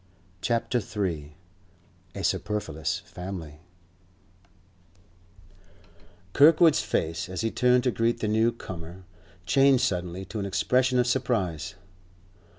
CHAPTER III A SUPERFLUOUS FAMILY Kirkwood's face, as he turned to greet the new comer, changed suddenly to an expression of surprise.